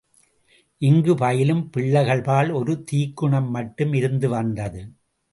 இங்குப் பயிலும் பிள்ளைகள் பால் ஒரு தீக்குணம் மட்டும் இருந்து வந்தது.